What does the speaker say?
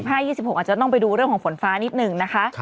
อาจจะต้องไปดูเรื่องของฝนฟ้านิดหนึ่งนะคะ